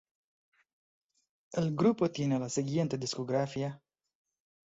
El grupo tiene la siguiente discografía.